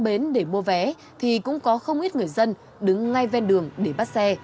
bến để mua vé thì cũng có không ít người dân đứng ngay ven đường để bắt xe